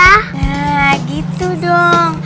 nah gitu dong